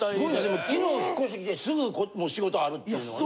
でも昨日引っ越ししてきてすぐもう仕事あるっていうのはな。